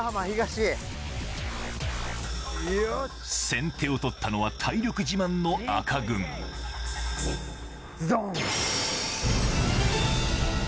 先手を取ったのは体力自慢の赤軍ズドン！